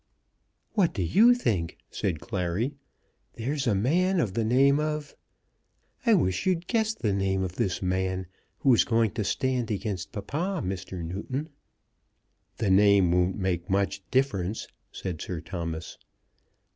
"What d'you think?" said Clary; "there's a man of the name of . I wish you'd guess the name of this man who is going to stand against papa, Mr. Newton." "The name won't make much difference," said Sir Thomas.